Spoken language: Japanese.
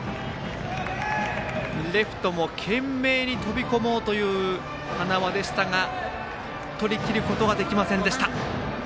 レフトも懸命に飛び込もうという塙でしたが、とりきることはできませんでした。